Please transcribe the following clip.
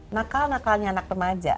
nakal nakalnya anak pemaja